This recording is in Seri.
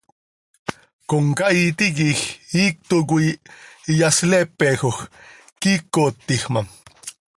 Comcaii tiquij iicto coi iyasleepejoj, quiicot tiij ma.